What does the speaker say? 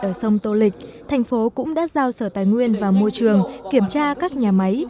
ở sông tô lịch thành phố cũng đã giao sở tài nguyên và môi trường kiểm tra các nhà máy